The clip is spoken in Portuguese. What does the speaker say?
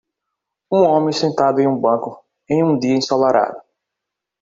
Um homem sentado em um banco em um dia ensolarado.